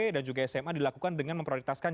dan juga sma dilakukan dengan memprioritaskan